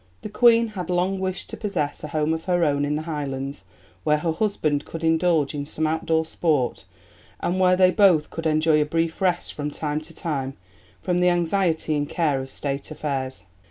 The Queen had long wished to possess a home of her own in the Highlands where her husband could indulge in some outdoor sport, and where they both could enjoy a brief rest, from time to time, from the anxiety and care of State affairs.